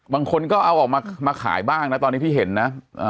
บางคนก็เอาออกมามาขายบ้างนะตอนนี้ที่เห็นนะ